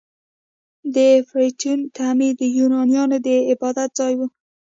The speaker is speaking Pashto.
د پارتینون تعمیر د یونانیانو د عبادت ځای و.